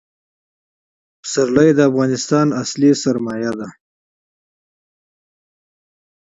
پسرلی د افغانستان طبعي ثروت دی.